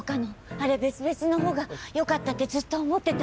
あれ別々のほうがよかったってずっと思ってた。